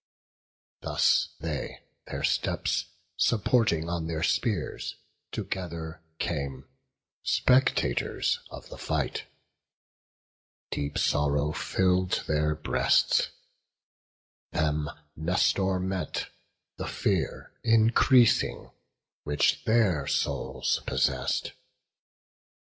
Thus they, their steps supporting on their spears, Together came, spectators of the fight; Deep sorrow fill'd their breasts; them Nestor met, The fear increasing, which their souls possess'd.